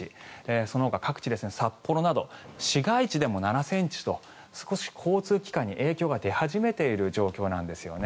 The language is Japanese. そのほか各地、札幌など市街地でも７ｃｍと少し交通機関に影響が出始めている状況なんですね。